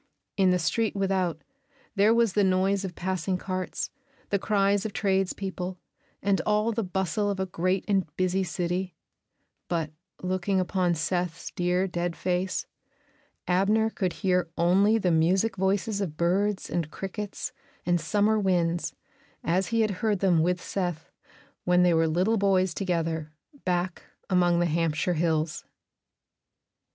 In the street without there was the noise of passing carts, the cries of tradespeople, and all the bustle of a great and busy city; but, looking upon Seth's dear, dead face, Abner could hear only the music voices of birds and crickets and summer winds as he had heard them with Seth when they were little boys together, back among the Hampshire hills.